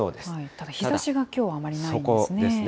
ただ、日ざしがきょうはあんまりないんですね。